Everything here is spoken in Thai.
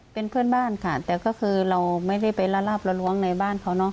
เป็นเพื่อนบ้านค่ะแต่ก็คือเราไม่ได้ไปละลาบละล้วงในบ้านเขาเนาะ